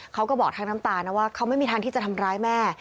เขาก็บอกทั้งน้ำตานะว่าเขาไม่มีทางที่จะทำร้ายแม่